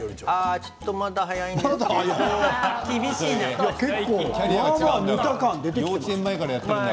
ちょっとまだ早いかな。